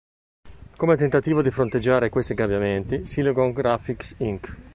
Come tentativo di fronteggiare questi cambiamenti, Silicon Graphics Inc.